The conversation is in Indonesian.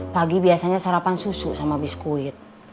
pagi biasanya sarapan susu sama biskuit